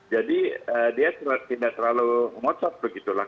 jadi dia tidak terlalu ngocot begitulah